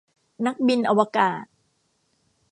นักบินอวกาศ